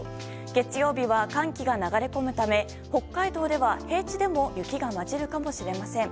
月曜日は寒気が流れ込むため北海道では平地でも雪が交じるかもしれません。